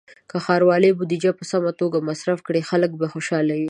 که ښاروالۍ بودیجه په سمه توګه مصرف کړي، خلک به خوشحاله وي.